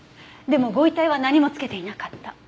でもご遺体は何も着けていなかった。